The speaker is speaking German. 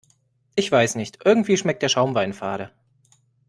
Ich weiß nicht, irgendwie schmeckt der Schaumwein fade.